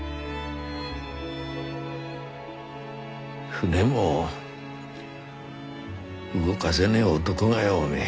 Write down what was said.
船も動がせねえ男がよおめえ。